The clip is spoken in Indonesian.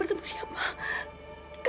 bertemu di video selanjutnya